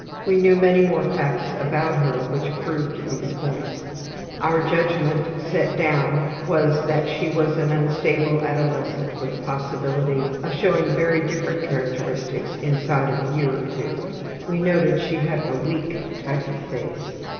We knew many more facts about her which proved these points. Our judgment set down was that she was an unstable adolescent with possibility of showing very different characteristics inside of a year or two. We noted she had a weak type of face.